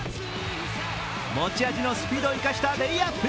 持ち味のスピードを生かしたレイアップ。